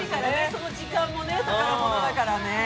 その時間も宝物だからね。